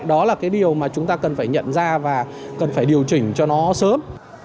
đó là cái điều mà chúng ta cần phải nhận ra và cần phải điều chỉnh cho nó sớm